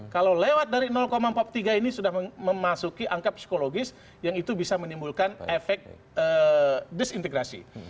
kalau lewat dari empat puluh tiga ini sudah memasuki angka psikologis yang itu bisa menimbulkan efek disintegrasi